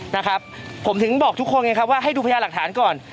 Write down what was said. นะครับผมถึงบอกทุกคนไงครับว่าให้ดูพยาหลักฐานก่อน